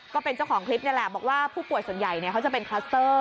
ก็เป็นเจ้าของคลิปนี่แหละบอกว่าผู้ป่วยส่วนใหญ่เขาจะเป็นคลัสเตอร์